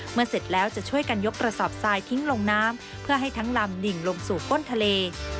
เสร็จแล้วจะช่วยกันยกกระสอบทรายทิ้งลงน้ำเพื่อให้ทั้งลำดิ่งลงสู่ก้นทะเล